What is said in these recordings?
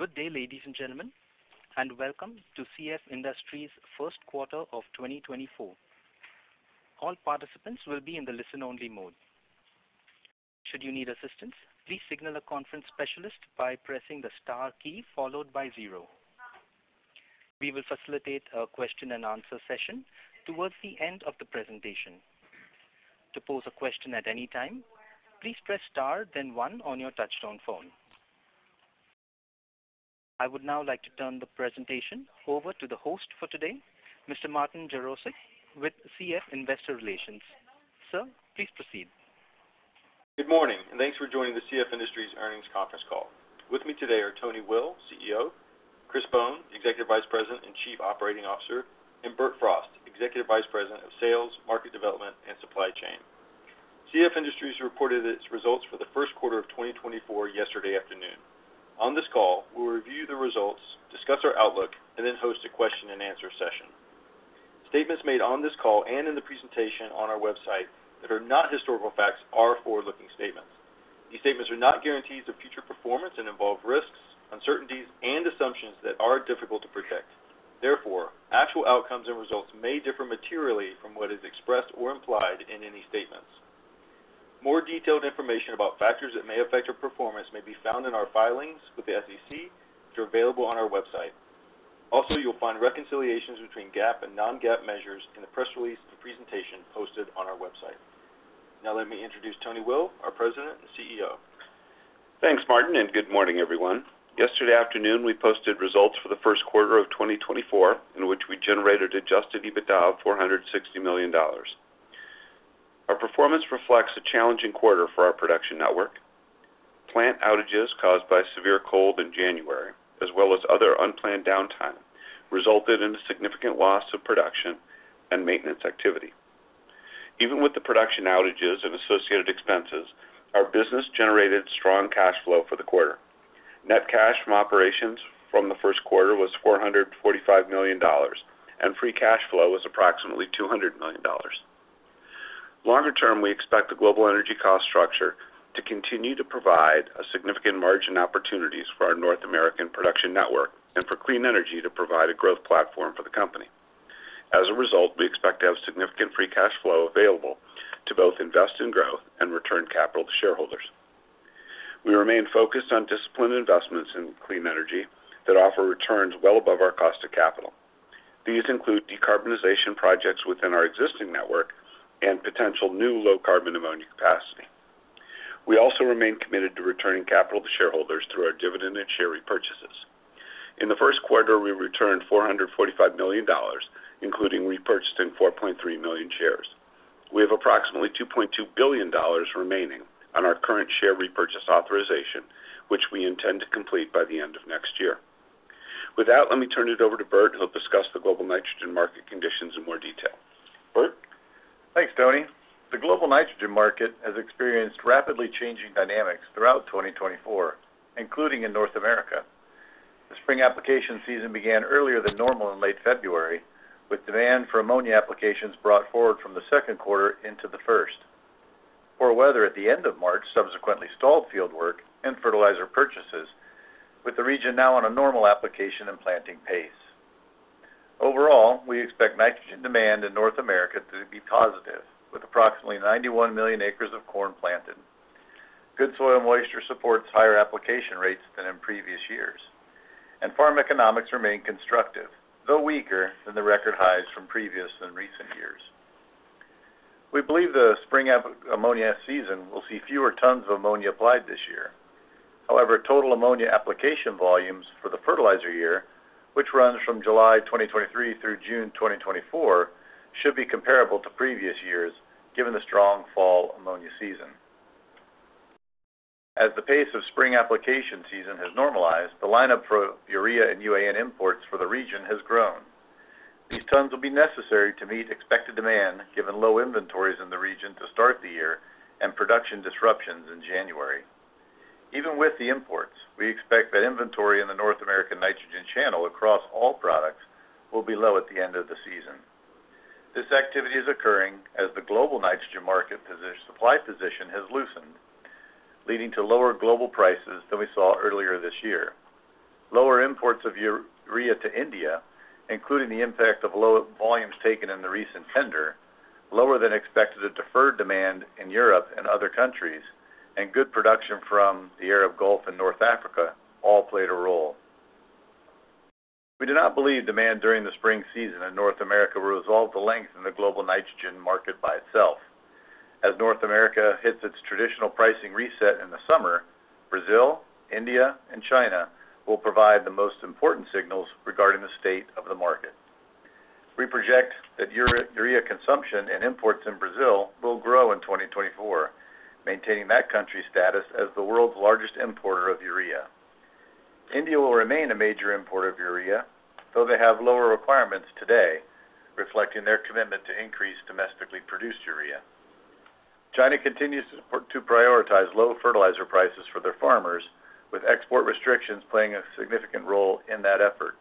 Good day, ladies and gentlemen, and welcome to CF Industries' First Quarter of 2024. All participants will be in the listen-only mode. Should you need assistance, please signal a conference specialist by pressing the star key followed by zero. We will facilitate a question-and-answer session towards the end of the presentation. To pose a question at any time, please press star, then one on your touchtone phone. I would now like to turn the presentation over to the host for today, Mr. Martin Jarosick, with CF Investor Relations. Sir, please proceed. Good morning, and thanks for joining the CF Industries Earnings Conference Call. With me today are Tony Will, CEO; Chris Bohn, Executive Vice President and Chief Operating Officer; and Bert Frost, Executive Vice President of Sales, Market Development, and Supply Chain. CF Industries reported its results for the first quarter of 2024 yesterday afternoon. On this call, we will review the results, discuss our outlook, and then host a question-and-answer session. Statements made on this call and in the presentation on our website that are not historical facts are forward-looking statements. These statements are not guarantees of future performance and involve risks, uncertainties, and assumptions that are difficult to predict. Therefore, actual outcomes and results may differ materially from what is expressed or implied in any statements. More detailed information about factors that may affect your performance may be found in our filings with the SEC, which are available on our website. Also, you'll find reconciliations between GAAP and non-GAAP measures in the press release and presentation posted on our website. Now let me introduce Tony Will, our President and CEO. Thanks, Martin, and good morning, everyone. Yesterday afternoon, we posted results for the first quarter of 2024 in which we generated adjusted EBITDA of $460 million. Our performance reflects a challenging quarter for our production network. Plant outages caused by severe cold in January, as well as other unplanned downtime, resulted in significant loss of production and maintenance activity. Even with the production outages and associated expenses, our business generated strong cash flow for the quarter. Net cash from operations from the first quarter was $445 million, and free cash flow was approximately $200 million. Longer term, we expect the global energy cost structure to continue to provide a significant margin of opportunities for our North American production network and for clean energy to provide a growth platform for the company. As a result, we expect to have significant free cash flow available to both invest in growth and return capital to shareholders. We remain focused on disciplined investments in clean energy that offer returns well above our cost of capital. These include decarbonization projects within our existing network and potential new low-carbon ammonia capacity. We also remain committed to returning capital to shareholders through our dividend and share repurchases. In the first quarter, we returned $445 million, including repurchasing 4.3 million shares. We have approximately $2.2 billion remaining on our current share repurchase authorization, which we intend to complete by the end of next year. With that, let me turn it over to Bert, who'll discuss the global nitrogen market conditions in more detail. Bert? Thanks, Tony. The global nitrogen market has experienced rapidly changing dynamics throughout 2024, including in North America. The spring application season began earlier than normal in late February, with demand for ammonia applications brought forward from the second quarter into the first. Poor weather at the end of March subsequently stalled fieldwork and fertilizer purchases, with the region now on a normal application and planting pace. Overall, we expect nitrogen demand in North America to be positive, with approximately 91 million acres of corn planted. Good soil moisture supports higher application rates than in previous years, and farm economics remain constructive, though weaker than the record highs from previous and recent years. We believe the spring ammonia season will see fewer tons of ammonia applied this year. However, total ammonia application volumes for the fertilizer year, which runs from July 2023 through June 2024, should be comparable to previous years given the strong fall ammonia season. As the pace of spring application season has normalized, the lineup for urea and UAN imports for the region has grown. These tons will be necessary to meet expected demand given low inventories in the region to start the year and production disruptions in January. Even with the imports, we expect that inventory in the North American nitrogen channel across all products will be low at the end of the season. This activity is occurring as the global nitrogen market supply position has loosened, leading to lower global prices than we saw earlier this year. Lower imports of urea to India, including the impact of low volumes taken in the recent tender, lower than expected or deferred demand in Europe and other countries, and good production from the Arab Gulf and North Africa all played a role. We do not believe demand during the spring season in North America will resolve the length in the global nitrogen market by itself. As North America hits its traditional pricing reset in the summer, Brazil, India, and China will provide the most important signals regarding the state of the market. We project that urea consumption and imports in Brazil will grow in 2024, maintaining that country's status as the world's largest importer of urea. India will remain a major importer of urea, though they have lower requirements today, reflecting their commitment to increase domestically produced urea. China continues to prioritize low fertilizer prices for their farmers, with export restrictions playing a significant role in that effort.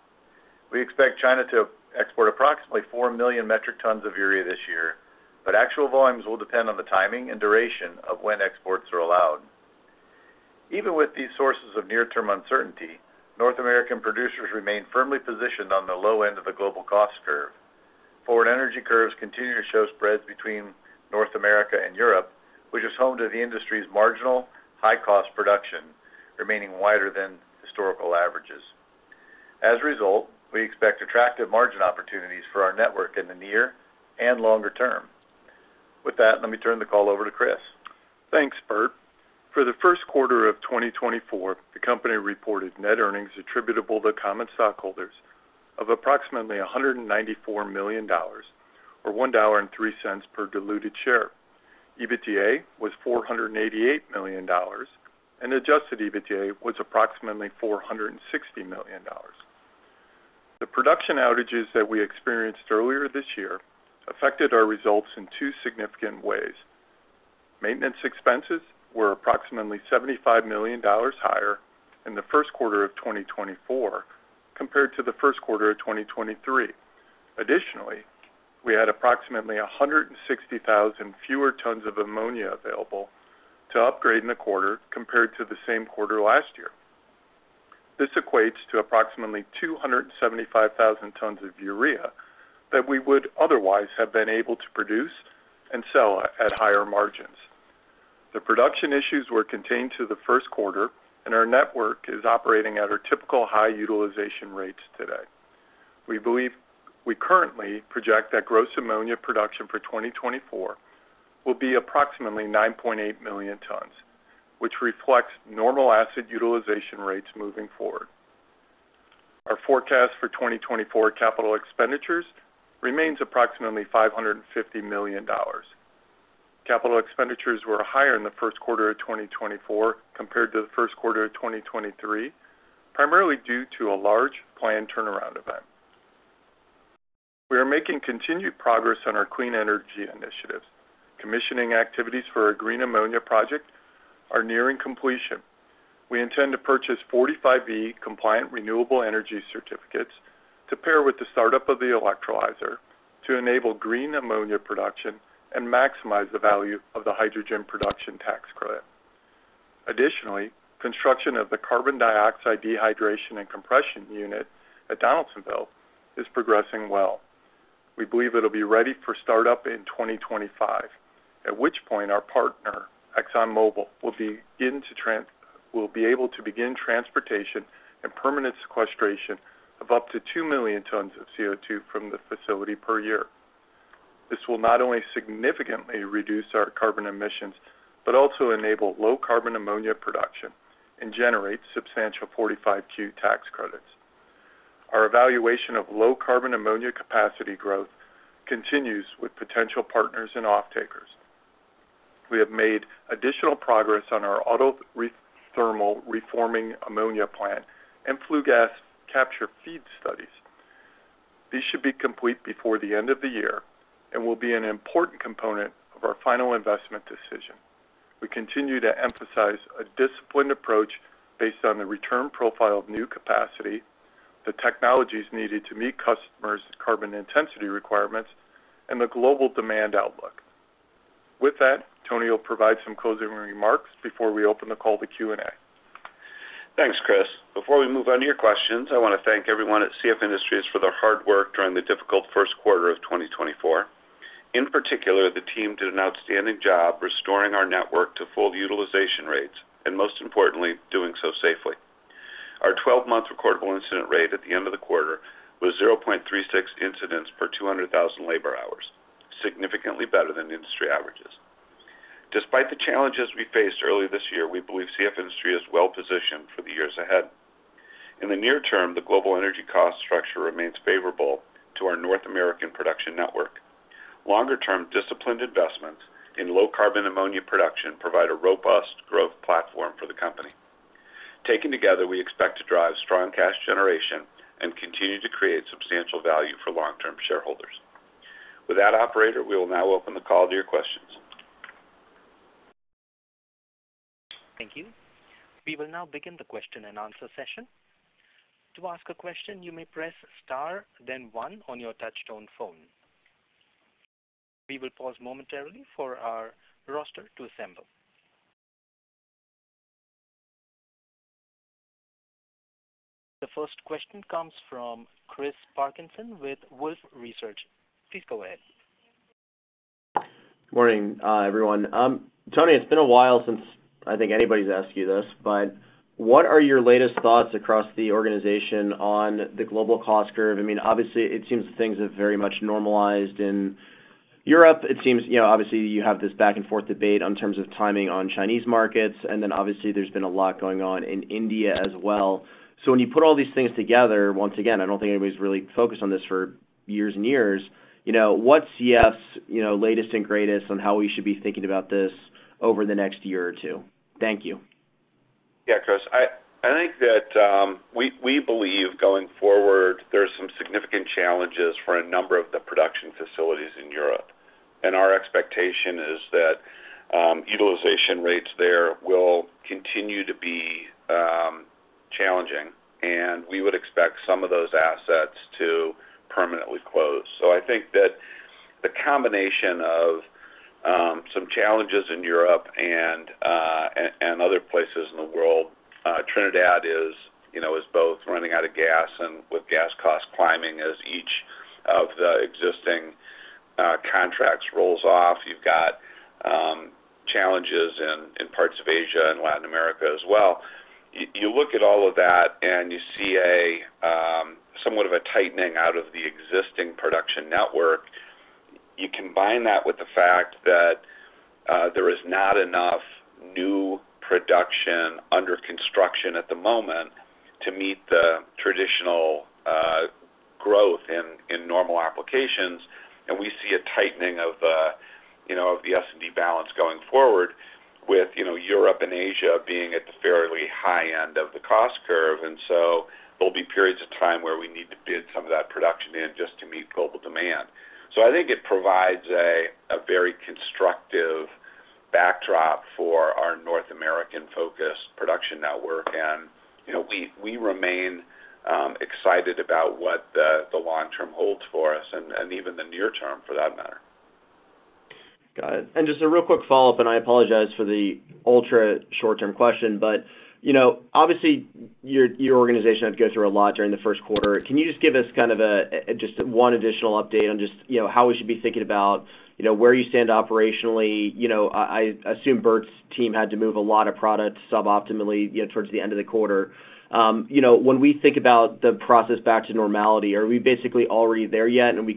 We expect China to export approximately four million metric tons of urea this year, but actual volumes will depend on the timing and duration of when exports are allowed. Even with these sources of near-term uncertainty, North American producers remain firmly positioned on the low end of the global cost curve. Forward energy curves continue to show spreads between North America and Europe, which is home to the industry's marginal high-cost production, remaining wider than historical averages. As a result, we expect attractive margin opportunities for our network in the near and longer term. With that, let me turn the call over to Chris. Thanks, Bert. For the first quarter of 2024, the company reported net earnings attributable to common stockholders of approximately $194 million or $1.03 per diluted share. EBITDA was $488 million, and adjusted EBITDA was approximately $460 million. The production outages that we experienced earlier this year affected our results in two significant ways. Maintenance expenses were approximately $75 million higher in the first quarter of 2024 compared to the first quarter of 2023. Additionally, we had approximately 160,000 fewer tons of ammonia available to upgrade in the quarter compared to the same quarter last year. This equates to approximately 275,000 tons of urea that we would otherwise have been able to produce and sell at higher margins. The production issues were contained to the first quarter, and our network is operating at our typical high utilization rates today. We currently project that gross ammonia production for 2024 will be approximately 9.8 million tons, which reflects normal acid utilization rates moving forward. Our forecast for 2024 capital expenditures remains approximately $550 million. Capital expenditures were higher in the first quarter of 2024 compared to the first quarter of 2023, primarily due to a large planned turnaround event. We are making continued progress on our clean energy initiatives. Commissioning activities for our green ammonia project are nearing completion. We intend to purchase 45V compliant renewable energy certificates to pair with the startup of the electrolyzer to enable green ammonia production and maximize the value of the hydrogen production tax credit. Additionally, construction of the carbon dioxide dehydration and compression unit at Donaldsonville is progressing well. We believe it'll be ready for startup in 2025, at which point our partner, ExxonMobil, will be able to begin transportation and permanent sequestration of up to two million tons of CO2 from the facility per year. This will not only significantly reduce our carbon emissions but also enable low-carbon ammonia production and generate substantial 45Q tax credits. Our evaluation of low-carbon ammonia capacity growth continues with potential partners and offtakers. We have made additional progress on our autothermal reforming ammonia plant and flue gas capture FEED studies. These should be complete before the end of the year and will be an important component of our final investment decision. We continue to emphasize a disciplined approach based on the return profile of new capacity, the technologies needed to meet customers' carbon intensity requirements, and the global demand outlook. With that, Tony will provide some closing remarks before we open the call to Q&A. Thanks, Chris. Before we move on to your questions, I want to thank everyone at CF Industries for their hard work during the difficult first quarter of 2024. In particular, the team did an outstanding job restoring our network to full utilization rates and, most importantly, doing so safely. Our 12-month recordable incident rate at the end of the quarter was 0.36 incidents per 200,000 labor hours, significantly better than industry averages. Despite the challenges we faced earlier this year, we believe CF Industries is well-positioned for the years ahead. In the near term, the global energy cost structure remains favorable to our North American production network. Longer term, disciplined investments in low-carbon ammonia production provide a robust growth platform for the company. Taken together, we expect to drive strong cash generation and continue to create substantial value for long-term shareholders. With that, operator, we will now open the call to your questions. Thank you. We will now begin the question and answer session. To ask a question, you may press star, then one on your touch-tone phone. We will pause momentarily for our roster to assemble. The first question comes from Chris Parkinson with Wolfe Research. Please go ahead. Good morning, everyone. Tony, it's been a while since I think anybody's asked you this, but what are your latest thoughts across the organization on the global cost curve? I mean, obviously, it seems things have very much normalized in Europe. It seems, obviously, you have this back-and-forth debate in terms of timing on Chinese markets, and then, obviously, there's been a lot going on in India as well. So when you put all these things together, once again, I don't think anybody's really focused on this for years and years, what's CF's latest and greatest on how we should be thinking about this over the next year or two? Thank you. Yeah, Chris. I think that we believe going forward there are some significant challenges for a number of the production facilities in Europe. Our expectation is that utilization rates there will continue to be challenging, and we would expect some of those assets to permanently close. I think that the combination of some challenges in Europe and other places in the world, Trinidad is both running out of gas and with gas costs climbing as each of the existing contracts rolls off. You've got challenges in parts of Asia and Latin America as well. You look at all of that, and you see somewhat of a tightening out of the existing production network. You combine that with the fact that there is not enough new production under construction at the moment to meet the traditional growth in normal applications, and we see a tightening of the S&D balance going forward with Europe and Asia being at the fairly high end of the cost curve. And so there'll be periods of time where we need to bid some of that production in just to meet global demand. So I think it provides a very constructive backdrop for our North American-focused production network. And we remain excited about what the long-term holds for us and even the near-term for that matter. Got it. Just a real quick follow-up, and I apologize for the ultra-short-term question, but obviously, your organization had to go through a lot during the first quarter. Can you just give us kind of just one additional update on just how we should be thinking about where you stand operationally? I assume Bert's team had to move a lot of product suboptimally towards the end of the quarter. When we think about the process back to normality, are we basically already there yet, and you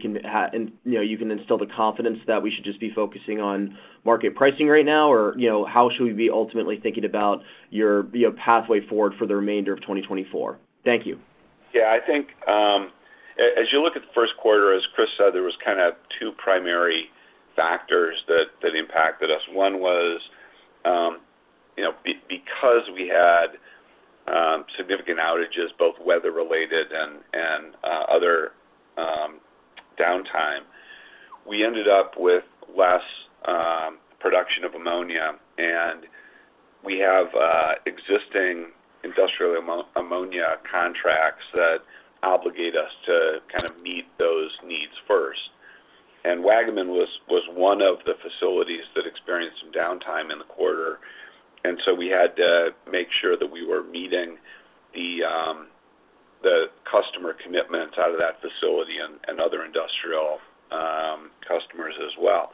can instill the confidence that we should just be focusing on market pricing right now, or how should we be ultimately thinking about your pathway forward for the remainder of 2024? Thank you. Yeah. I think as you look at the first quarter, as Chris said, there was kind of two primary factors that impacted us. One was because we had significant outages, both weather-related and other downtime. We ended up with less production of ammonia, and we have existing industrial ammonia contracts that obligate us to kind of meet those needs first. And Waggaman was one of the facilities that experienced some downtime in the quarter. And so we had to make sure that we were meeting the customer commitments out of that facility and other industrial customers as well.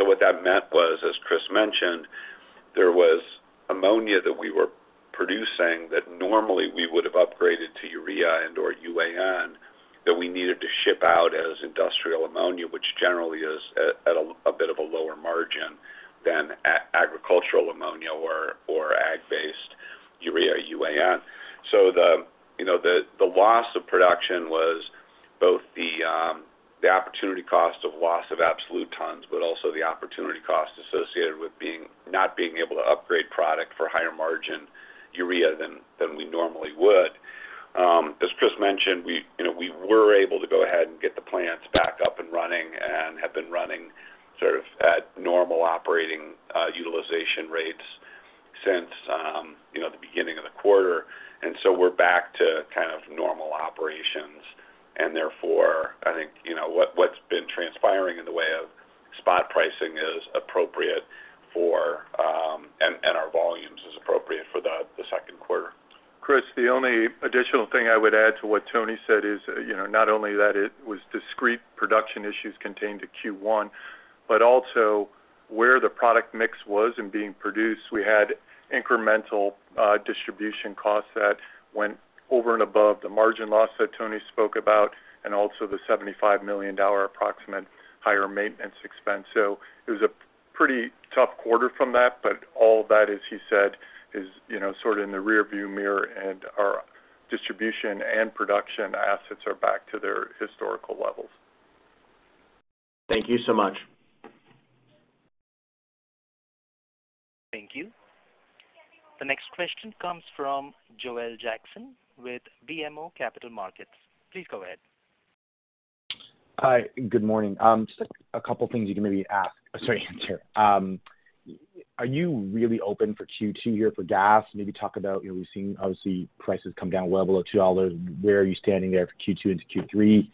What that meant was, as Chris mentioned, there was ammonia that we were producing that normally we would have upgraded to urea and/or UAN that we needed to ship out as industrial ammonia, which generally is at a bit of a lower margin than agricultural ammonia or ag-based urea or UAN. The loss of production was both the opportunity cost of loss of absolute tons but also the opportunity cost associated with not being able to upgrade product for higher-margin urea than we normally would. As Chris mentioned, we were able to go ahead and get the plants back up and running and have been running sort of at normal operating utilization rates since the beginning of the quarter. We're back to kind of normal operations. Therefore, I think what's been transpiring in the way of spot pricing is appropriate for and our volumes is appropriate for the second quarter. Chris, the only additional thing I would add to what Tony said is not only that it was discrete production issues contained to Q1, but also where the product mix was and being produced, we had incremental distribution costs that went over and above the margin loss that Tony spoke about and also the $75 million approximate higher maintenance expense. So it was a pretty tough quarter from that, but all of that, as he said, is sort of in the rearview mirror, and our distribution and production assets are back to their historical levels. Thank you so much. Thank you. The next question comes from Joel Jackson with BMO Capital Markets. Please go ahead. Hi. Good morning. Just a couple of things you can maybe ask sorry, answer. Are you really open for Q2 here for gas? Maybe talk about we've seen, obviously, prices come down well below $2. Where are you standing there for Q2 into Q3?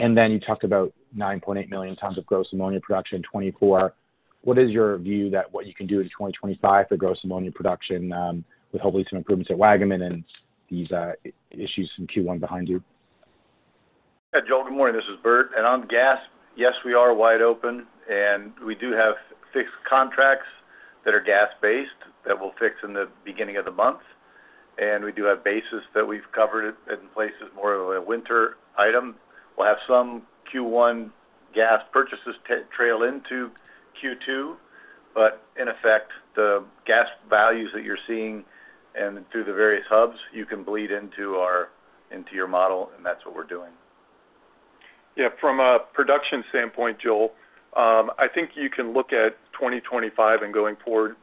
And then you talked about 9.8 million tons of gross ammonia production in 2024. What is your view that what you can do in 2025 for gross ammonia production with hopefully some improvements at Waggaman and these issues in Q1 behind you? Yeah, Joel, good morning. This is Bert. And on gas, yes, we are wide open. And we do have fixed contracts that are gas-based that we'll fix in the beginning of the month. And we do have bases that we've covered in places more of a winter item. We'll have some Q1 gas purchases trail into Q2. But in effect, the gas values that you're seeing and through the various hubs, you can bleed into your model, and that's what we're doing. Yeah. From a production standpoint, Joel, I think you can look at 2025 and going forward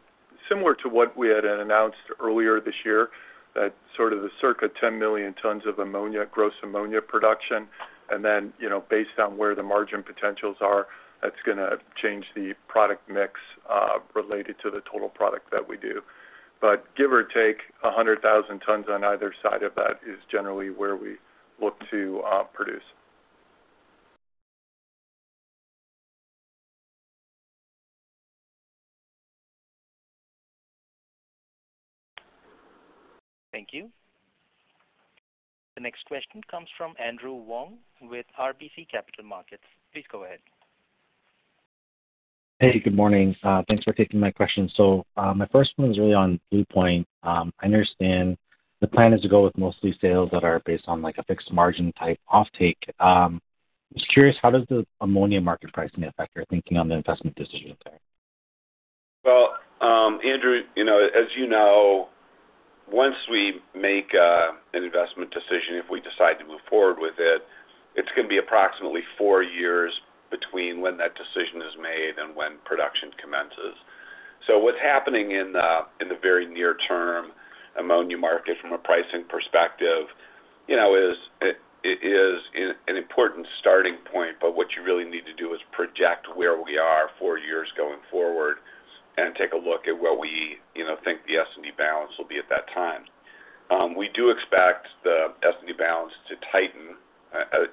similar to what we had announced earlier this year, that sort of the circa 10 million tons of gross ammonia production. And then based on where the margin potentials are, that's going to change the product mix related to the total product that we do. But give or take 100,000 tons on either side of that is generally where we look to produce. Thank you. The next question comes from Andrew Wong with RBC Capital Markets. Please go ahead. Hey, good morning. Thanks for taking my question. So my first one is really on blue plant. I understand the plan is to go with mostly sales that are based on a fixed-margin type offtake. I'm just curious, how does the ammonia market pricing affect your thinking on the investment decision there? Well, Andrew, as you know, once we make an investment decision, if we decide to move forward with it, it's going to be approximately four years between when that decision is made and when production commences. So what's happening in the very near-term ammonia market from a pricing perspective is an important starting point, but what you really need to do is project where we are four years going forward and take a look at what we think the S&D balance will be at that time. We do expect the S&D balance to tighten, as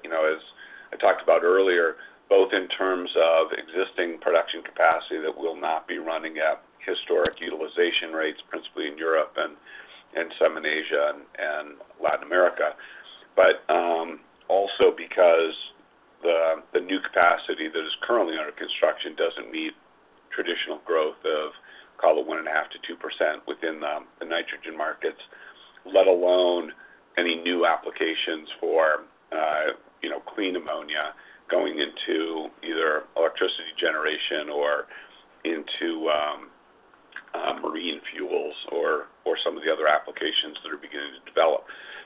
I talked about earlier, both in terms of existing production capacity that will not be running at historic utilization rates, principally in Europe and some in Asia and Latin America, but also because the new capacity that is currently under construction doesn't meet traditional growth of, call it, 1.5%-2% within the nitrogen markets, let alone any new applications for clean ammonia going into either electricity generation or into marine fuels or some of the other applications that are beginning to develop.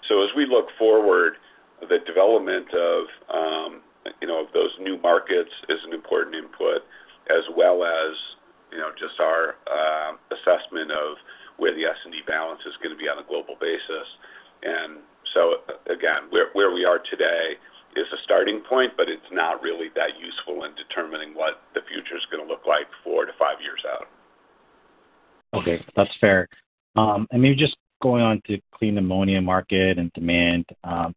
So as we look forward, the development of those new markets is an important input as well as just our assessment of where the S&D balance is going to be on a global basis. And so again, where we are today is a starting point, but it's not really that useful in determining what the future's going to look like four to five years out. Okay. That's fair. And maybe just going on to clean ammonia market and demand,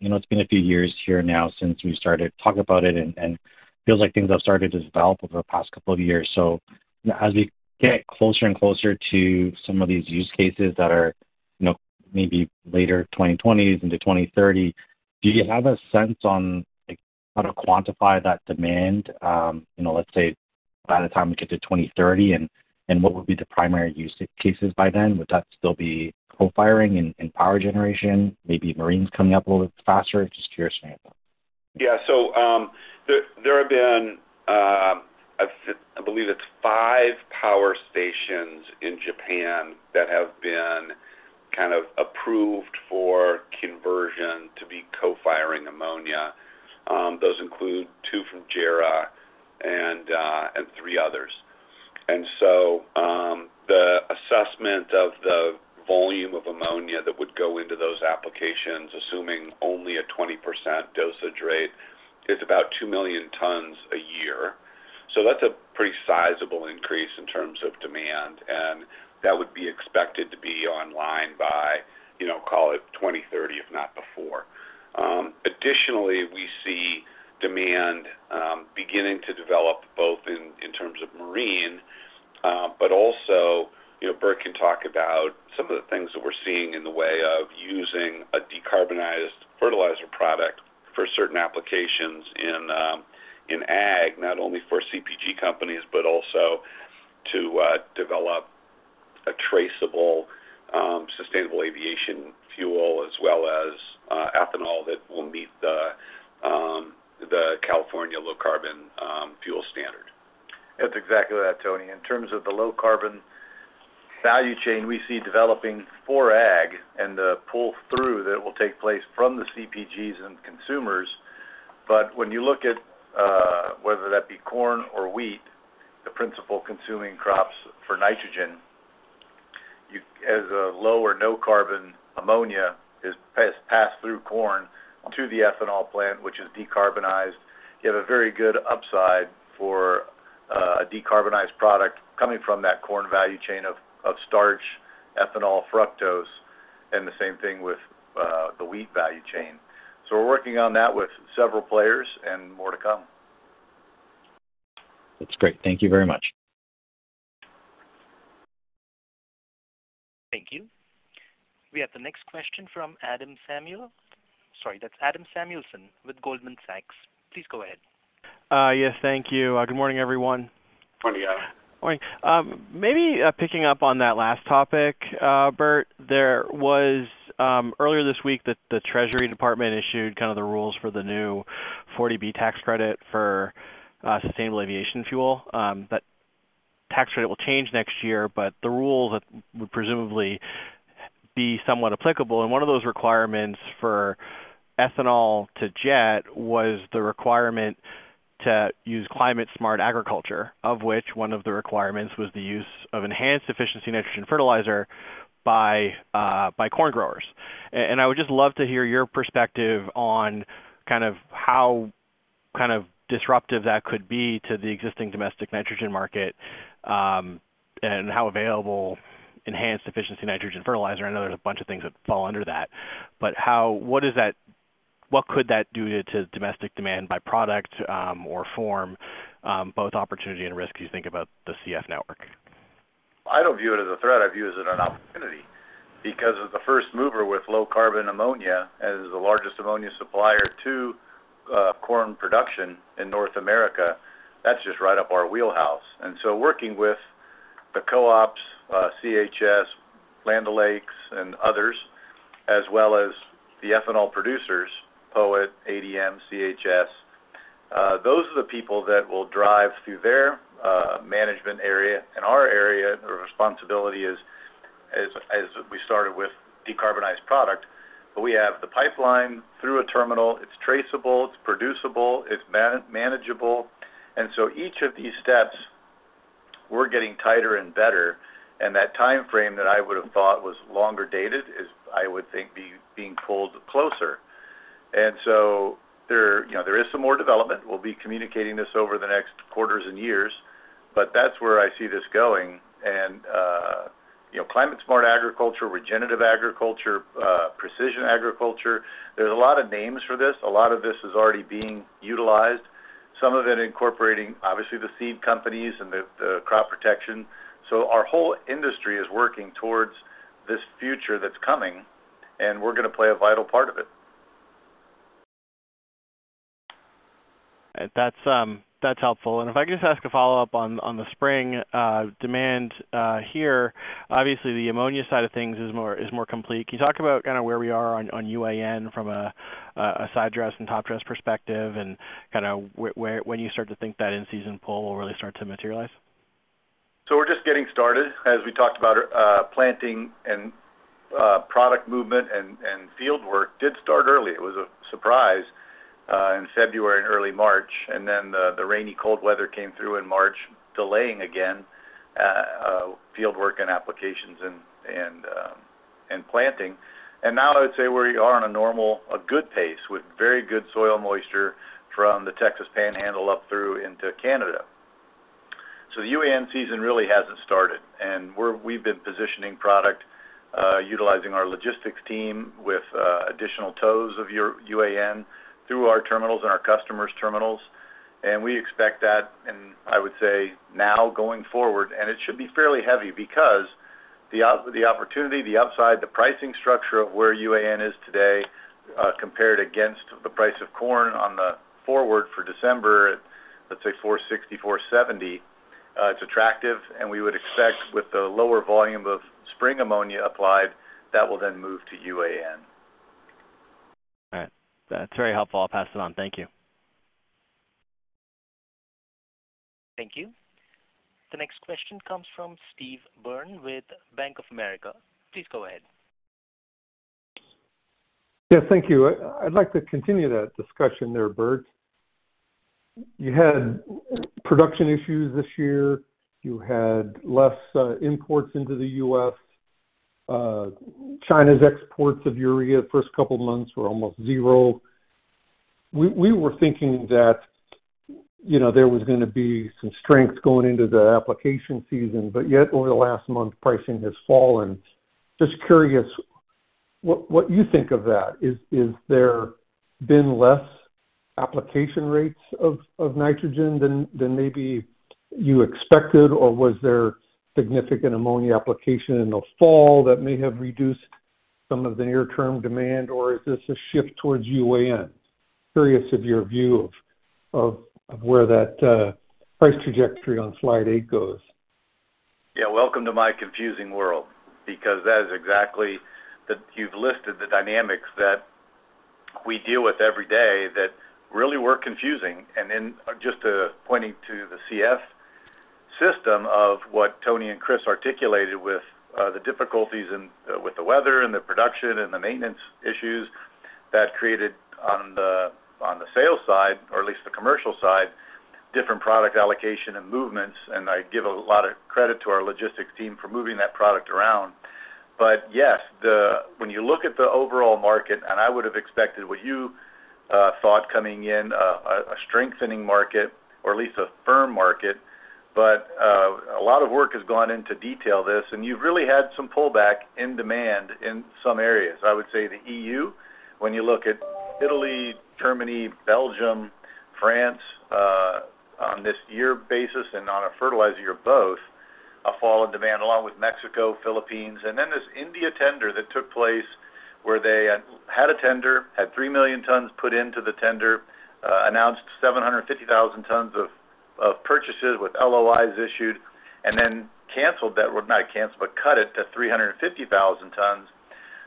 it's been a few years here now since we started talking about it, and it feels like things have started to develop over the past couple of years. So as we get closer and closer to some of these use cases that are maybe later 2020s into 2030, do you have a sense on how to quantify that demand? Let's say by the time we get to 2030, and what would be the primary use cases by then? Would that still be coal firing and power generation, maybe marines coming up a little bit faster? Just curious to hear that. Yeah. So there have been, I believe it's five power stations in Japan that have been kind of approved for conversion to be coal-firing ammonia. Those include two from JERA and three others. And so the assessment of the volume of ammonia that would go into those applications, assuming only a 20% dosage rate, is about two million tons a year. So that's a pretty sizable increase in terms of demand, and that would be expected to be online by, call it, 2030, if not before. Additionally, we see demand beginning to develop both in terms of marine, but also Bert can talk about some of the things that we're seeing in the way of using a decarbonized fertilizer product for certain applications in ag, not only for CPG companies but also to develop a traceable sustainable aviation fuel as well as ethanol that will meet the California Low Carbon Fuel Standard. That's exactly that, Tony. In terms of the low-carbon value chain, we see developing for ag and the pull-through that will take place from the CPGs and consumers. But when you look at whether that be corn or wheat, the principal consuming crops for nitrogen, as low or no-carbon ammonia is passed through corn to the ethanol plant, which is decarbonized, you have a very good upside for a decarbonized product coming from that corn value chain of starch, ethanol, fructose, and the same thing with the wheat value chain. So we're working on that with several players, and more to come. That's great. Thank you very much. Thank you. We have the next question from Adam Samuel, sorry, that's Adam Samuelson with Goldman Sachs. Please go ahead. Yes. Thank you. Good morning, everyone. Morning, guys. Morning. Maybe picking up on that last topic, Bert, earlier this week, the Treasury Department issued kind of the rules for the new 40B tax credit for sustainable aviation fuel. That tax credit will change next year, but the rules would presumably be somewhat applicable. And one of those requirements for ethanol to jet was the requirement to use climate-smart agriculture, of which one of the requirements was the use of enhanced efficiency nitrogen fertilizer by corn growers. And I would just love to hear your perspective on kind of how kind of disruptive that could be to the existing domestic nitrogen market and how available enhanced efficiency nitrogen fertilizer I know there's a bunch of things that fall under that, but what could that do to domestic demand by product or form, both opportunity and risk, as you think about the CF network? I don't view it as a threat. I view it as an opportunity because as the first mover with low-carbon ammonia and as the largest ammonia supplier to corn production in North America, that's just right up our wheelhouse. And so working with the co-ops, CHS, Land O'Lakes, and others, as well as the ethanol producers, POET, ADM, CHS, those are the people that will drive through their management area. And our area, our responsibility is, as we started with decarbonized product, but we have the pipeline through a terminal. It's traceable. It's producible. It's manageable. And so each of these steps, we're getting tighter and better. And that timeframe that I would have thought was longer dated is, I would think, being pulled closer. And so there is some more development. We'll be communicating this over the next quarters and years, but that's where I see this going. Climate-smart agriculture, regenerative agriculture, precision agriculture, there's a lot of names for this. A lot of this is already being utilized, some of it incorporating, obviously, the seed companies and the crop protection. So our whole industry is working towards this future that's coming, and we're going to play a vital part of it. That's helpful. If I could just ask a follow-up on the spring demand here, obviously, the ammonia side of things is more complete. Can you talk about kind of where we are on UAN from a side-dress and top-dress perspective and kind of when you start to think that in-season pull will really start to materialize? So we're just getting started. As we talked about, planting and product movement and fieldwork did start early. It was a surprise in February and early March. And then the rainy, cold weather came through in March, delaying again fieldwork and applications and planting. And now, I would say we are on a good pace with very good soil moisture from the Texas Panhandle up through into Canada. So the UAN season really hasn't started, and we've been positioning product, utilizing our logistics team with additional tons of UAN through our terminals and our customers' terminals. And we expect that, and I would say now going forward, and it should be fairly heavy because the opportunity, the upside, the pricing structure of where UAN is today compared against the price of corn on the forward for December at, let's say, $4.60-$4.70, it's attractive. We would expect, with the lower volume of spring ammonia applied, that will then move to UAN. That's very helpful. I'll pass it on. Thank you. Thank you. The next question comes from Steve Byrne with Bank of America. Please go ahead. Yeah. Thank you. I'd like to continue that discussion there, Bert. You had production issues this year. You had less imports into the U.S. China's exports of urea the first couple of months were almost zero. We were thinking that there was going to be some strength going into the application season, but yet over the last month, pricing has fallen. Just curious what you think of that. Has there been less application rates of nitrogen than maybe you expected, or was there significant ammonia application in the fall that may have reduced some of the near-term demand, or is this a shift towards UAN? Curious of your view of where that price trajectory on slide eight goes. Yeah. Welcome to my confusing world because that is exactly you've listed the dynamics that we deal with every day that really were confusing. And then just pointing to the CF system of what Tony and Chris articulated with the difficulties with the weather and the production and the maintenance issues that created, on the sales side or at least the commercial side, different product allocation and movements. And I give a lot of credit to our logistics team for moving that product around. But yes, when you look at the overall market, and I would have expected what you thought coming in, a strengthening market or at least a firm market, but a lot of work has gone into detail this, and you've really had some pullback in demand in some areas. I would say the EU, when you look at Italy, Germany, Belgium, France on this year basis and on a fertilizer year, both a fall in demand along with Mexico, Philippines. Then this India tender that took place where they had a tender, had three million tons put into the tender, announced 750,000 tons of purchases with LOIs issued, and then canceled that well, not canceled, but cut it to 350,000 tons.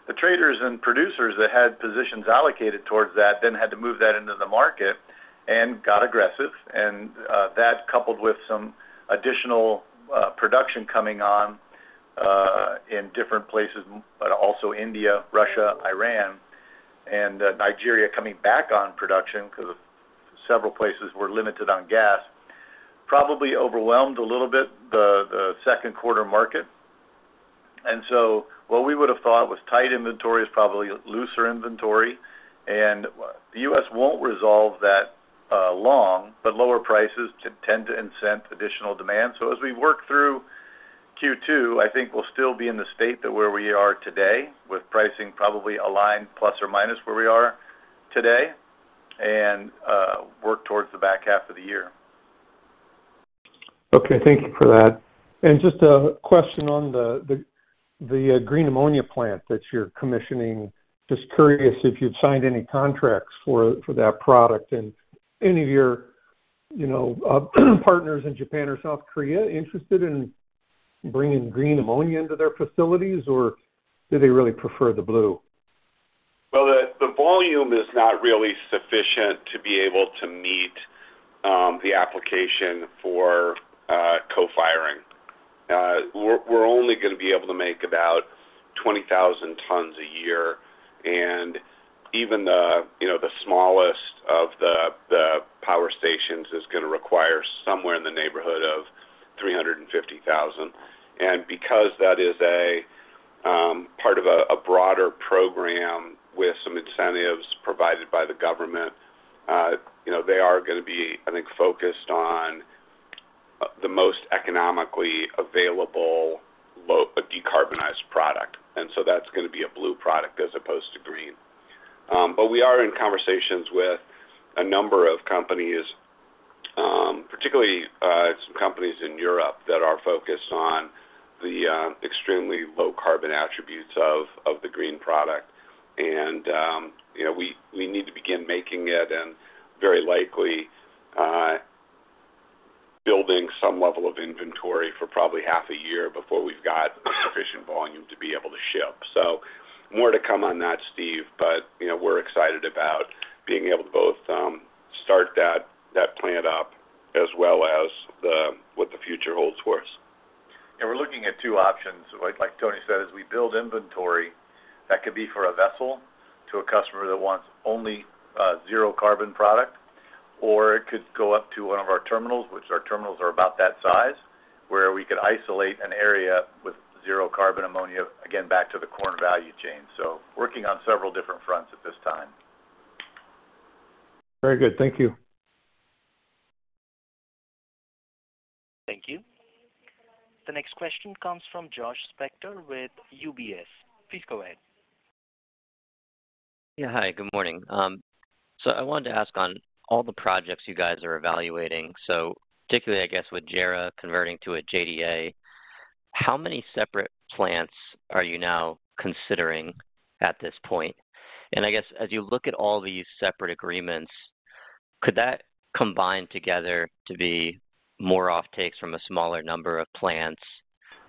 The traders and producers that had positions allocated towards that then had to move that into the market and got aggressive. And that coupled with some additional production coming on in different places, but also India, Russia, Iran, and Nigeria coming back on production because several places were limited on gas, probably overwhelmed a little bit the second-quarter market. So what we would have thought was tight inventory is probably looser inventory. The U.S. won't resolve that long, but lower prices tend to incent additional demand. As we work through Q2, I think we'll still be in the state where we are today with pricing probably aligned plus or minus where we are today and work towards the back half of the year. Okay. Thank you for that. And just a question on the green ammonia plant that you're commissioning. Just curious if you've signed any contracts for that product and any of your partners in Japan or South Korea interested in bringing green ammonia into their facilities, or do they really prefer the blue? Well, the volume is not really sufficient to be able to meet the application for coal firing. We're only going to be able to make about 20,000 tons a year. Even the smallest of the power stations is going to require somewhere in the neighborhood of 350,000. Because that is part of a broader program with some incentives provided by the government, they are going to be, I think, focused on the most economically available decarbonized product. So that's going to be a blue product as opposed to green. But we are in conversations with a number of companies, particularly some companies in Europe that are focused on the extremely low-carbon attributes of the green product. And we need to begin making it and very likely building some level of inventory for probably half a year before we've got sufficient volume to be able to ship. So more to come on that, Steve, but we're excited about being able to both start that plant up as well as what the future holds for us. We're looking at two options. Like Tony said, as we build inventory, that could be for a vessel to a customer that wants only zero-carbon product, or it could go up to one of our terminals, which our terminals are about that size, where we could isolate an area with zero-carbon ammonia, again, back to the corn value chain. Working on several different fronts at this time. Very good. Thank you. Thank you. The next question comes from Josh Spector with UBS. Please go ahead. Yeah. Hi. Good morning. So I wanted to ask on all the projects you guys are evaluating, so particularly, I guess, with JERA converting to a JDA, how many separate plants are you now considering at this point? And I guess, as you look at all these separate agreements, could that combine together to be more off-takes from a smaller number of plants?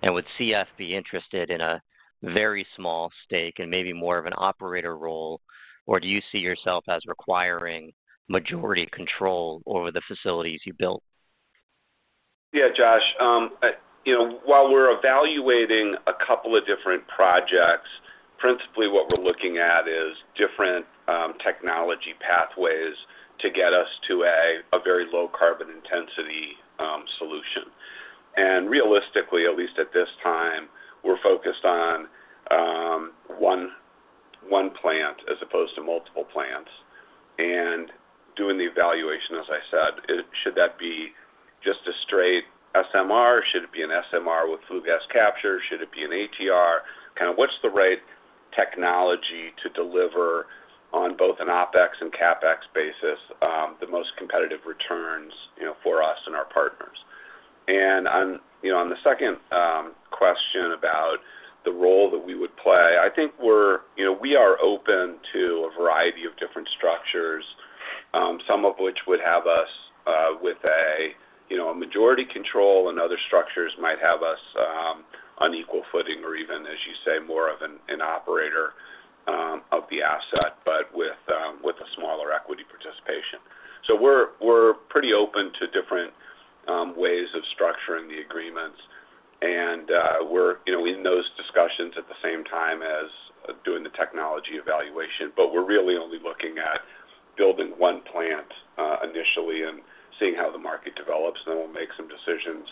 And would CF be interested in a very small stake and maybe more of an operator role, or do you see yourself as requiring majority control over the facilities you built? Yeah, Josh. While we're evaluating a couple of different projects, principally, what we're looking at is different technology pathways to get us to a very low-carbon intensity solution. And realistically, at least at this time, we're focused on one plant as opposed to multiple plants and doing the evaluation, as I said. Should that be just a straight SMR? Should it be an SMR with flue gas capture? Should it be an ATR? Kind of what's the right technology to deliver on both an OpEx and CapEx basis the most competitive returns for us and our partners? On the second question about the role that we would play, I think we are open to a variety of different structures, some of which would have us with a majority control, and other structures might have us on equal footing or even, as you say, more of an operator of the asset but with a smaller equity participation. So we're pretty open to different ways of structuring the agreements. And we're in those discussions at the same time as doing the technology evaluation, but we're really only looking at building one plant initially and seeing how the market develops. Then we'll make some decisions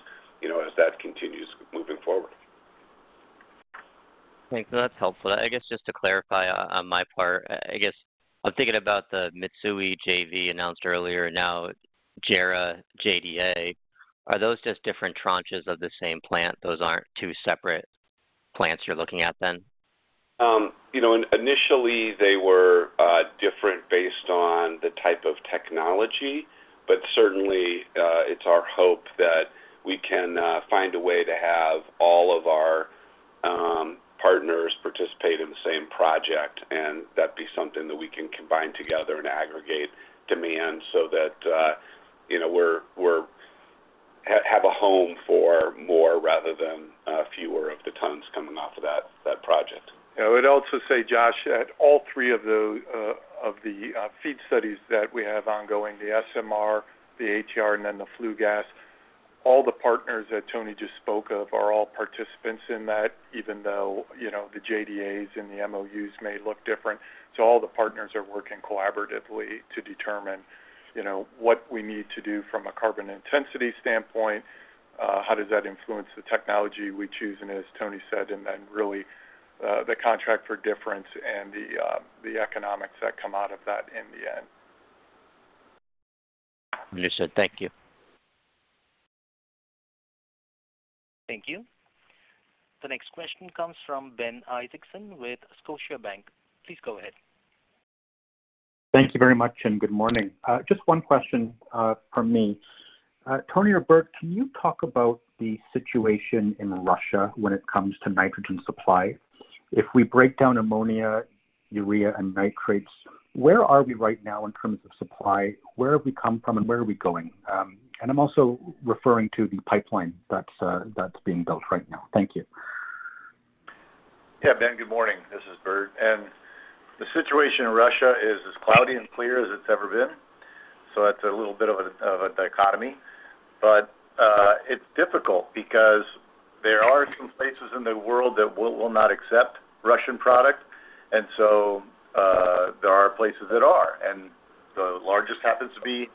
as that continues moving forward. Thanks. That's helpful. I guess just to clarify on my part, I guess I'm thinking about the Mitsui JV announced earlier, now JERA, JDA. Are those just different tranches of the same plant? Those aren't two separate plants you're looking at then? Initially, they were different based on the type of technology, but certainly, it's our hope that we can find a way to have all of our partners participate in the same project and that be something that we can combine together and aggregate demand so that we have a home for more rather than fewer of the tons coming off of that project. Yeah. I would also say, Josh, that all three of the FEED studies that we have ongoing, the SMR, the ATR, and then the flue gas, all the partners that Tony just spoke of are all participants in that, even though the JDAs and the MOUs may look different. So all the partners are working collaboratively to determine what we need to do from a carbon intensity standpoint. How does that influence the technology we choose? And as Tony said, and then really the contract for difference and the economics that come out of that in the end. Listen. Thank you. Thank you. The next question comes from Ben Isaacson with Scotiabank. Please go ahead. Thank you very much, and good morning. Just one question from me. Tony or Bert, can you talk about the situation in Russia when it comes to nitrogen supply? If we break down ammonia, urea, and nitrates, where are we right now in terms of supply? Where have we come from, and where are we going? And I'm also referring to the pipeline that's being built right now. Thank you. Yeah. Ben, good morning. This is Bert. The situation in Russia is as cloudy and clear as it's ever been. It's a little bit of a dichotomy. It's difficult because there are some places in the world that will not accept Russian product, and so there are places that are. The largest happens to be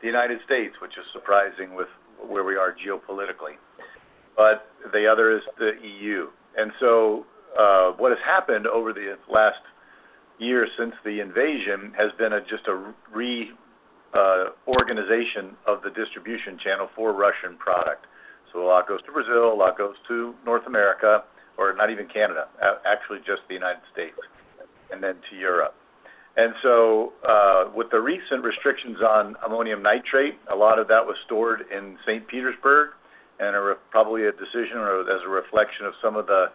the United States, which is surprising with where we are geopolitically. The other is the EU. What has happened over the last year since the invasion has been just a reorganization of the distribution channel for Russian product. A lot goes to Brazil, a lot goes to North America or not even Canada, actually just the United States, and then to Europe. With the recent restrictions on ammonium nitrate, a lot of that was stored in St. Petersburg. Probably a decision or as a reflection of some of the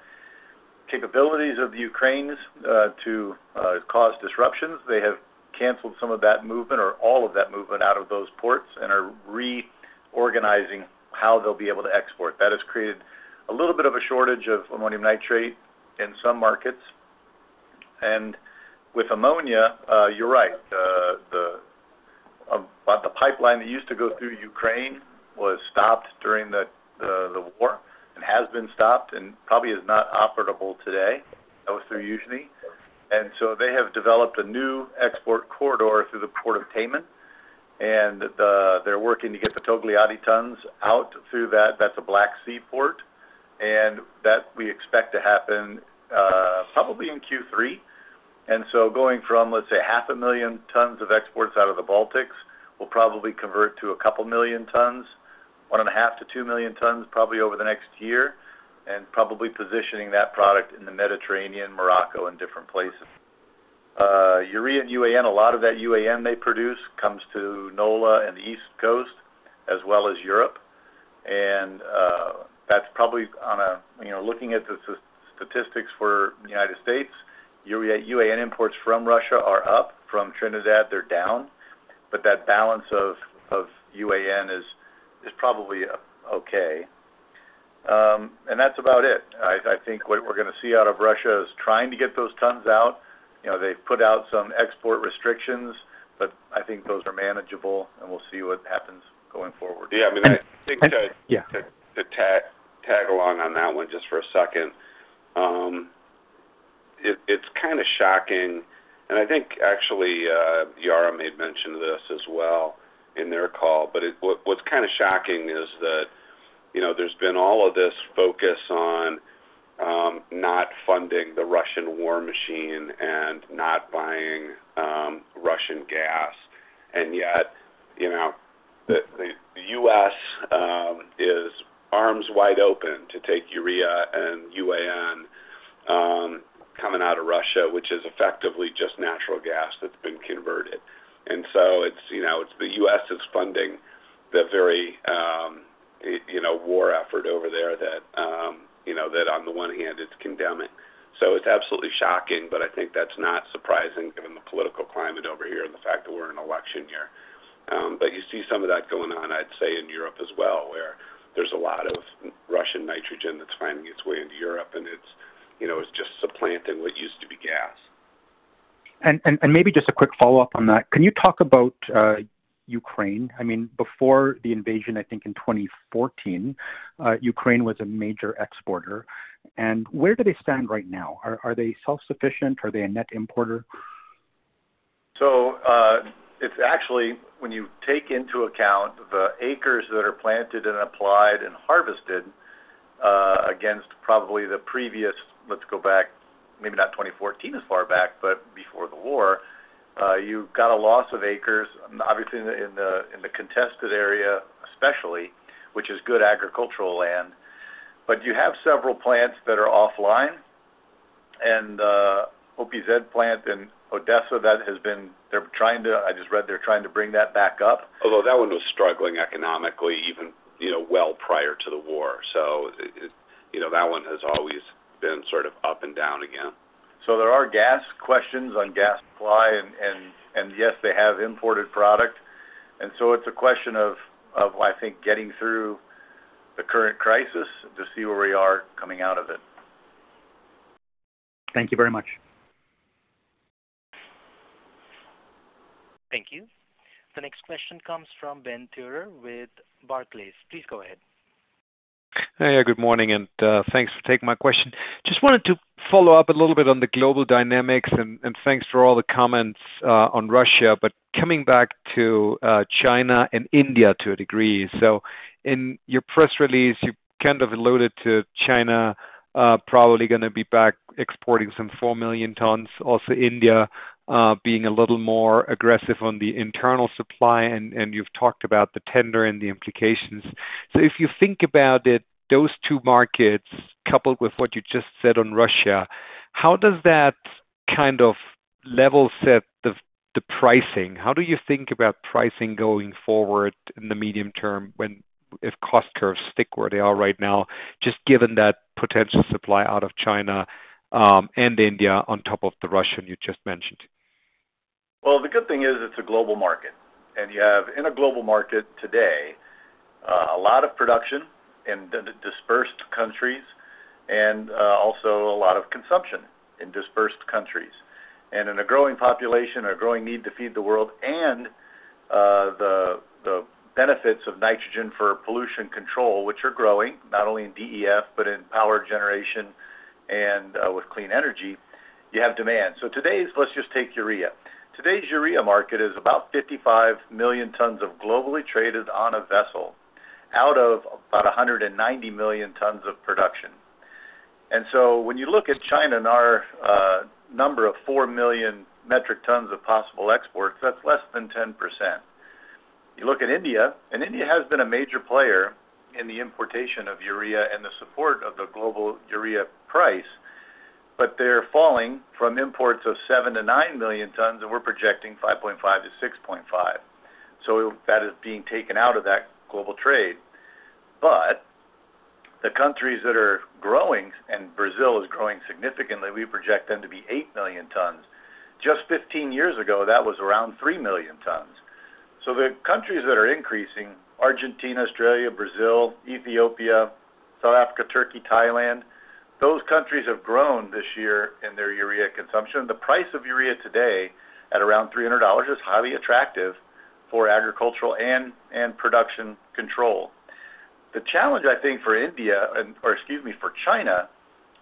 capabilities of the Ukrainians to cause disruptions, they have canceled some of that movement or all of that movement out of those ports and are reorganizing how they'll be able to export. That has created a little bit of a shortage of ammonium nitrate in some markets. With ammonia, you're right. The pipeline that used to go through Ukraine was stopped during the war and has been stopped and probably is not operable today. That was through Uzhhorod. So they have developed a new export corridor through the port of Taman. And they're working to get the Togliatti tons out through that. That's a Black Sea port. That we expect to happen probably in Q3. Going from, let's say, 500,000 tons of exports out of the Baltics will probably convert to a couple million tons, 1.5-2 million tons probably over the next year, and probably positioning that product in the Mediterranean, Morocco, and different places. Urea and UAN, a lot of that UAN they produce comes to NOLA and the East Coast as well as Europe. And that's probably on a looking at the statistics for the United States, UAN imports from Russia are up. From Trinidad, they're down. But that balance of UAN is probably okay. And that's about it. I think what we're going to see out of Russia is trying to get those tons out. They've put out some export restrictions, but I think those are manageable, and we'll see what happens going forward. Yeah. I mean, I think to tag along on that one just for a second, it's kind of shocking. I think actually, Yara made mention of this as well in their call. But what's kind of shocking is that there's been all of this focus on not funding the Russian war machine and not buying Russian gas. And yet, the U.S. is arms wide open to take urea and UAN coming out of Russia, which is effectively just natural gas that's been converted. And so it's the U.S. that's funding the very war effort over there that, on the one hand, it condemns. It's absolutely shocking, but I think that's not surprising given the political climate over here and the fact that we're in an election year. You see some of that going on, I'd say, in Europe as well where there's a lot of Russian nitrogen that's finding its way into Europe, and it's just supplanting what used to be gas. Maybe just a quick follow-up on that. Can you talk about Ukraine? I mean, before the invasion, I think in 2014, Ukraine was a major exporter. Where do they stand right now? Are they self-sufficient? Are they a net importer? So it's actually when you take into account the acres that are planted and applied and harvested against probably the previous. Let's go back, maybe not 2014 as far back, but before the war. You've got a loss of acres, obviously, in the contested area especially, which is good agricultural land. But you have several plants that are offline. And OPZ plant in Odessa, they're trying to. I just read they're trying to bring that back up. Although that one was struggling economically even well prior to the war. So that one has always been sort of up and down again. There are gas questions on gas supply, and yes, they have imported product. It's a question of, I think, getting through the current crisis to see where we are coming out of it. Thank you very much. Thank you. The next question comes from Ben Theurer with Barclays. Please go ahead. Hey. Yeah. Good morning, and thanks for taking my question. Just wanted to follow up a little bit on the global dynamics, and thanks for all the comments on Russia. But coming back to China and India to a degree. So in your press release, you kind of alluded to China probably going to be back exporting some four million tons, also India being a little more aggressive on the internal supply, and you've talked about the tender and the implications. So if you think about it, those two markets coupled with what you just said on Russia, how does that kind of level set the pricing? How do you think about pricing going forward in the medium term if cost curves stick where they are right now, just given that potential supply out of China and India on top of the Russian you just mentioned? Well, the good thing is it's a global market. And you have, in a global market today, a lot of production in dispersed countries and also a lot of consumption in dispersed countries. And in a growing population or a growing need to feed the world and the benefits of nitrogen for pollution control, which are growing not only in DEF but in power generation and with clean energy, you have demand. So let's just take urea. Today's urea market is about 55 million tons of globally traded on a vessel out of about 190 million tons of production. And so when you look at China and our number of four million metric tons of possible exports, that's less than 10%. You look at India, and India has been a major player in the importation of urea and the support of the global urea price, but they're falling from imports of 7-9 million tons, and we're projecting 5.5-6.5. So that is being taken out of that global trade. But the countries that are growing, and Brazil is growing significantly, we project them to be eight million tons. Just 15 years ago, that was around three million tons. So the countries that are increasing, Argentina, Australia, Brazil, Ethiopia, South Africa, Turkey, Thailand, those countries have grown this year in their urea consumption. The price of urea today at around $300 is highly attractive for agricultural and production control. The challenge, I think, for India or excuse me, for China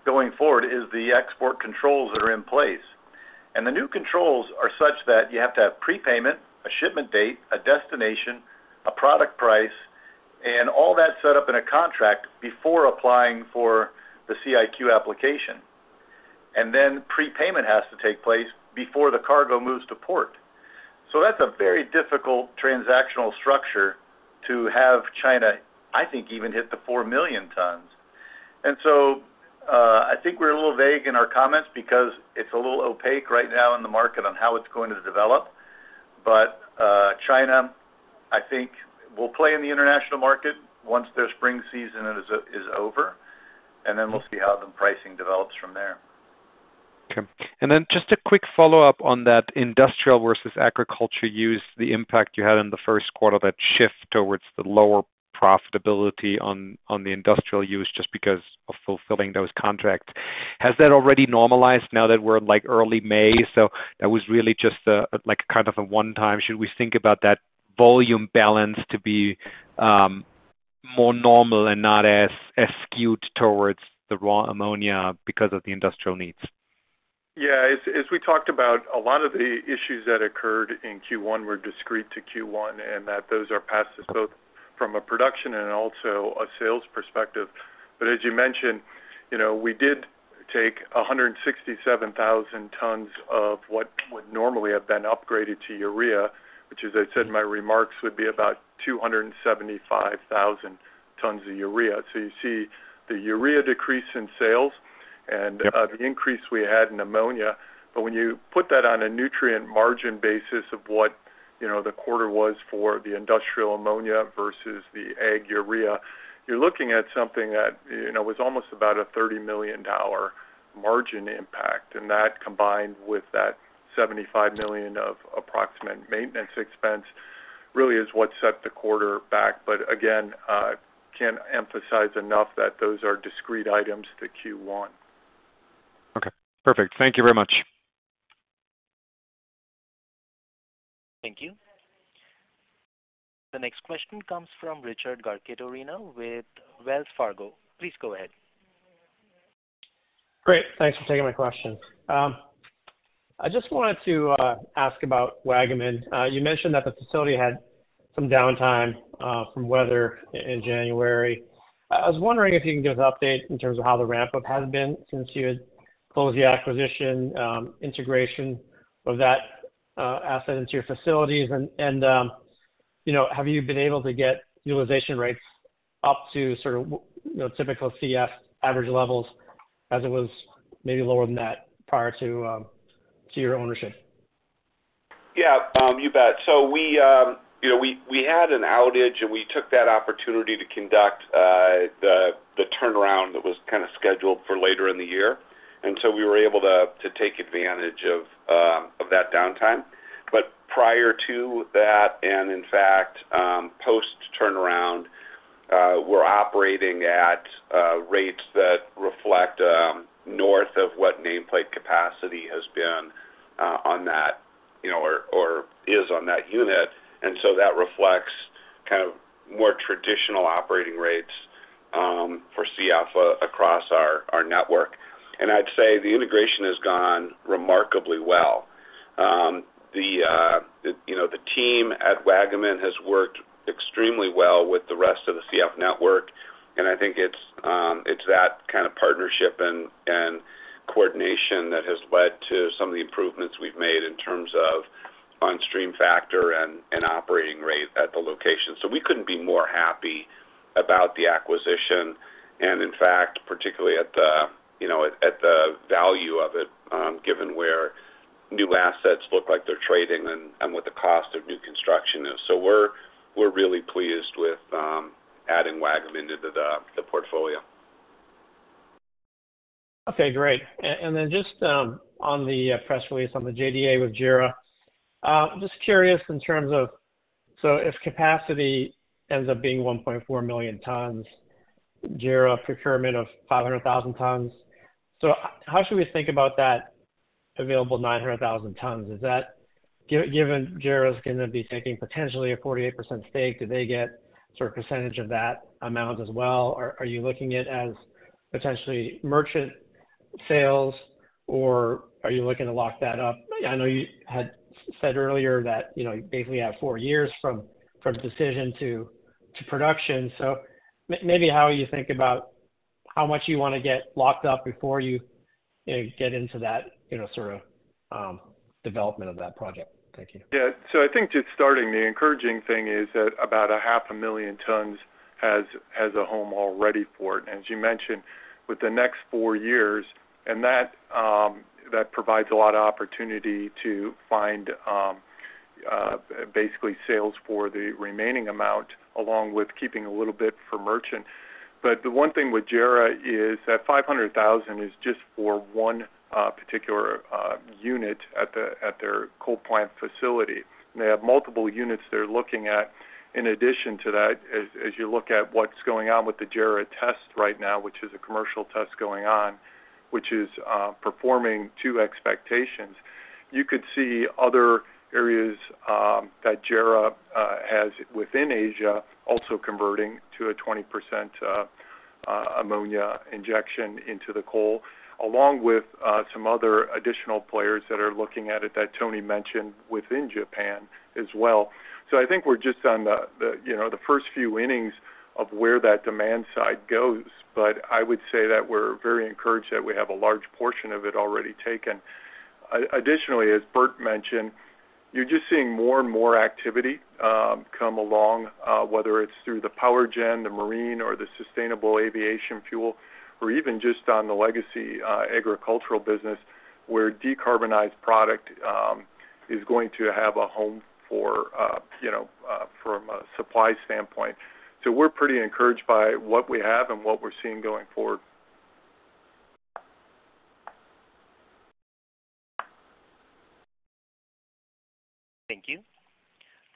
going forward is the export controls that are in place. The new controls are such that you have to have prepayment, a shipment date, a destination, a product price, and all that set up in a contract before applying for the CIQ application. Then prepayment has to take place before the cargo moves to port. That's a very difficult transactional structure to have China, I think, even hit the four million tons. I think we're a little vague in our comments because it's a little opaque right now in the market on how it's going to develop. But China, I think, will play in the international market once their spring season is over, and then we'll see how the pricing develops from there. Okay. And then just a quick follow-up on that industrial versus agriculture use, the impact you had in the first quarter, that shift towards the lower profitability on the industrial use just because of fulfilling those contracts. Has that already normalized now that we're early May? So that was really just kind of a one-time, "Should we think about that volume balance to be more normal and not as skewed towards the raw ammonia because of the industrial needs? Yeah. As we talked about, a lot of the issues that occurred in Q1 were discrete to Q1 and that those are passed us both from a production and also a sales perspective. But as you mentioned, we did take 167,000 tons of what would normally have been upgraded to urea, which, as I said in my remarks, would be about 275,000 tons of urea. So you see the urea decrease in sales and the increase we had in ammonia. But when you put that on a nutrient margin basis of what the quarter was for the industrial ammonia versus the ag urea, you're looking at something that was almost about a $30 million margin impact. And that combined with that $75 million of approximate maintenance expense really is what set the quarter back. But again, can't emphasize enough that those are discrete items to Q1. Okay. Perfect. Thank you very much. Thank you. The next question comes from Richard Garchitorena with Wells Fargo. Please go ahead. Great. Thanks for taking my question. I just wanted to ask about Waggaman. You mentioned that the facility had some downtime from weather in January. I was wondering if you can give us an update in terms of how the ramp-up has been since you had closed the acquisition integration of that asset into your facilities. And have you been able to get utilization rates up to sort of typical CF average levels as it was maybe lower than that prior to your ownership? Yeah. You bet. So we had an outage, and we took that opportunity to conduct the turnaround that was kind of scheduled for later in the year. And so we were able to take advantage of that downtime. But prior to that and, in fact, post-turnaround, we're operating at rates that reflect north of what nameplate capacity has been on that or is on that unit. And so that reflects kind of more traditional operating rates for CF across our network. And I'd say the integration has gone remarkably well. The team at Waggaman has worked extremely well with the rest of the CF network. And I think it's that kind of partnership and coordination that has led to some of the improvements we've made in terms of on-stream factor and operating rate at the location. So we couldn't be more happy about the acquisition and, in fact, particularly at the value of it given where new assets look like they're trading and what the cost of new construction is. So we're really pleased with adding Waggaman into the portfolio. Okay. Great. And then just on the press release on the JDA with JERA, just curious in terms of so if capacity ends up being 1.4 million tons, JERA procurement of 500,000 tons, so how should we think about that available 900,000 tons? Given JERA is going to be taking potentially a 48% stake, do they get sort of percentage of that amount as well? Are you looking at as potentially merchant sales, or are you looking to lock that up? I know you had said earlier that you basically have four years from decision to production. So maybe how you think about how much you want to get locked up before you get into that sort of development of that project. Thank you. Yeah. So I think just starting, the encouraging thing is that about 500,000 tons has a home already for it. And as you mentioned, with the next four years, and that provides a lot of opportunity to find basically sales for the remaining amount along with keeping a little bit for merchant. But the one thing with JERA is that 500,000 is just for one particular unit at their coal plant facility. And they have multiple units they're looking at. In addition to that, as you look at what's going on with the JERA test right now, which is a commercial test going on, which is performing to expectations, you could see other areas that JERA has within Asia also converting to a 20% ammonia injection into the coal along with some other additional players that are looking at it that Tony mentioned within Japan as well. So I think we're just on the first few innings of where that demand side goes. But I would say that we're very encouraged that we have a large portion of it already taken. Additionally, as Bert mentioned, you're just seeing more and more activity come along, whether it's through the power gen, the marine, or the sustainable aviation fuel, or even just on the legacy agricultural business where decarbonized product is going to have a home from a supply standpoint. So we're pretty encouraged by what we have and what we're seeing going forward. Thank you.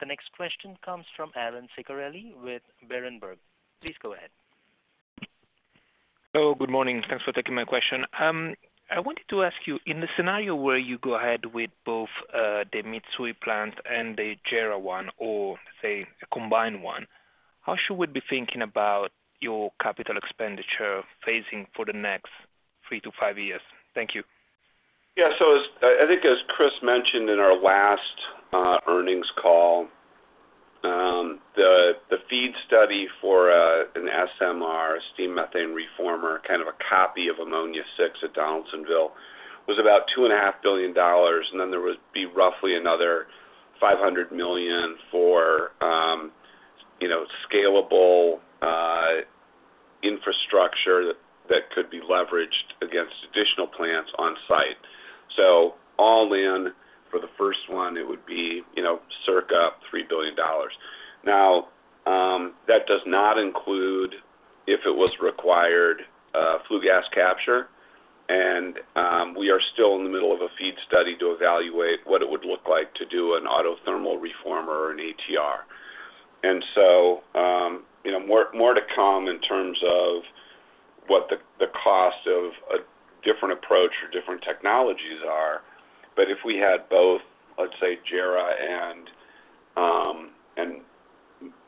The next question comes from Aron Ceccarelli with Berenberg. Please go ahead. Hello. Good morning. Thanks for taking my question. I wanted to ask you, in the scenario where you go ahead with both the Mitsui plant and the JERA one or, say, a combined one, how should we be thinking about your capital expenditure phasing for the next three to five years? Thank you. Yeah. So I think as Chris mentioned in our last earnings call, the FEED study for an SMR, steam methane reformer, kind of a copy of Ammonia 6 at Donaldsonville, was about $2.5 billion. And then there would be roughly another $500 million for scalable infrastructure that could be leveraged against additional plants on-site. So all in, for the first one, it would be circa $3 billion. Now, that does not include if it was required flue gas capture. And we are still in the middle of a FEED study to evaluate what it would look like to do an autothermal reformer or an ATR. And so more to come in terms of what the cost of a different approach or different technologies are. But if we had both, let's say, JERA and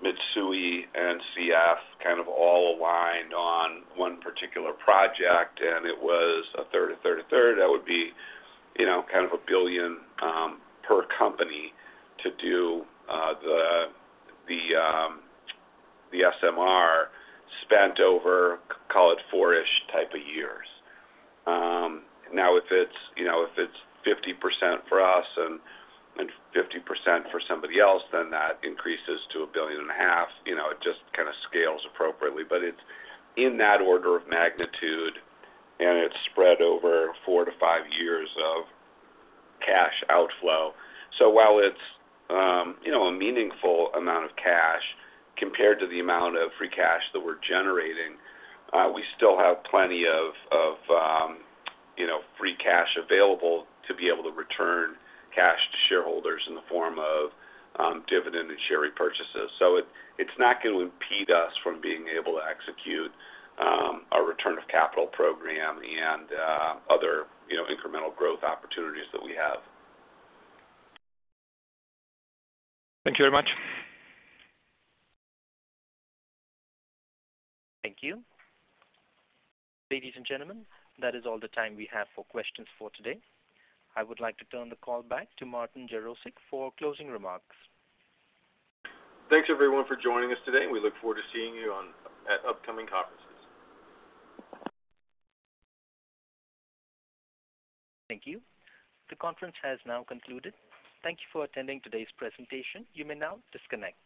Mitsui and CF kind of all aligned on one particular project, and it was a third, a third, a third, that would be kind of $1 billion per company to do the SMR spent over, call it, four-ish type of years. Now, if it's 50% for us and 50% for somebody else, then that increases to $1.5 billion. It just kind of scales appropriately. But it's in that order of magnitude, and it's spread over 4-5 years of cash outflow. So while it's a meaningful amount of cash compared to the amount of free cash that we're generating, we still have plenty of free cash available to be able to return cash to shareholders in the form of dividend and share repurchases. It's not going to impede us from being able to execute our return of capital program and other incremental growth opportunities that we have. Thank you very much. Thank you. Ladies and gentlemen, that is all the time we have for questions for today. I would like to turn the call back to Martin Jarosick for closing remarks. Thanks, everyone, for joining us today. We look forward to seeing you at upcoming conferences. Thank you. The conference has now concluded. Thank you for attending today's presentation. You may now disconnect.